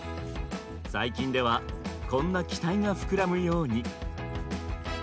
最近ではこんな期待が膨らむように。